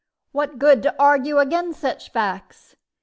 What good to argue agin such facts?